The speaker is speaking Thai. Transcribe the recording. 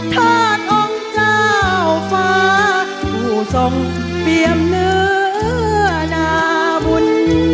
ธาตุองค์เจ้าฟ้าผู้ทรงเปรียมเนื้อนาบุญ